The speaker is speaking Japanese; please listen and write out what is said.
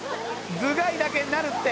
「頭蓋だけになるって」